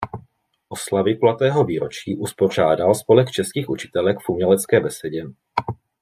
Oslavy kulatého výročí uspořádal Spolek českých učitelek v Umělecké besedě.